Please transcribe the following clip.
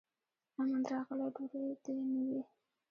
امن راغلی ډوډۍ دي نه وي